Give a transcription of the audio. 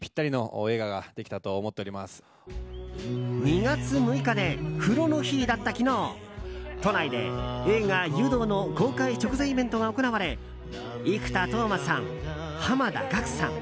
２月６日で風呂の日だった昨日都内で映画「湯道」の公開直前イベントが行われ生田斗真さん、濱田岳さん